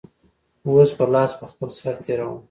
اوس به لاس په خپل سر تېروم.